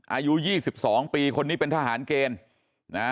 อายุ๒๒ปีคนนี้เป็นทหารเกณฑ์นะฮะ